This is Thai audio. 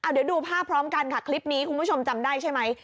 เดี๋ยวดูภาพพร้อมกันค่ะคลิปนี้คุณผู้ชมจำได้ใช่ไหม